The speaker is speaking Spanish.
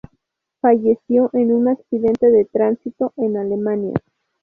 Falleció en un accidente de tránsito en Alemania.